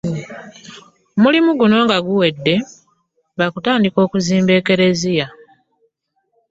Omulimu guno nga guwedde, ba kutandika okuzimba Ekleziya